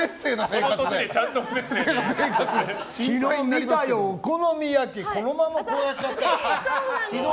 昨日、お好み焼きをこのままこうやっちゃって。